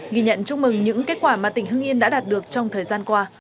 ghi nhận chúc mừng những kết quả mà tỉnh hưng yên đã đạt được trong thời gian qua